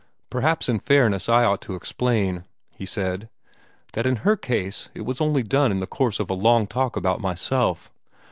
"Perhaps in fairness I ought to explain," he said, "that in her case it was only done in the course of a long talk about myself.